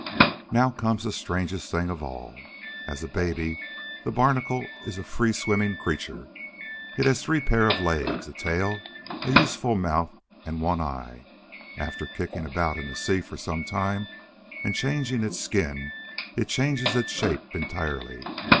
Now comes the strangest thing of all. As a baby, the Barnacle is a free swimming creature. It has three pairs of legs, a tail, a useful mouth, and one eye. After kicking about in the sea for some time, and changing its skin, it changes its shape entirely.